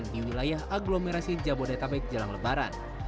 di wilayah agglomerasi jabodetabek jalan lebaran